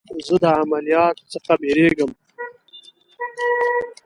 زه د عملیات څخه بیریږم.